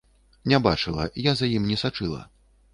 Не бачыла, я за ім не сачыла.